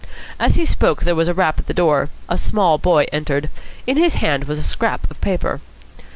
As he spoke there was a rap at the door. A small boy entered. In his hand was a scrap of paper.